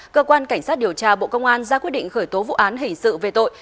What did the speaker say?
cơ quan cảnh sát điều tra bộ công an ra quyết định khởi tố vụ án hình sự về tội